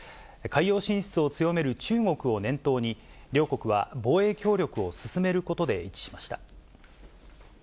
海洋進出を強める中国を念頭に、両国は防衛協力を進めることで一致しました。